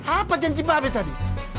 apa janji babek tadi